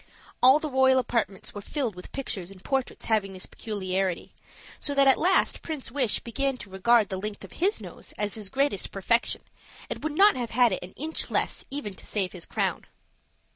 All the royal apartments were filled with pictures and portraits having this peculiarity, so that at last Prince Wish began to regard the length of his nose as his greatest perfection, and would not have had it an inch less even to save his crown.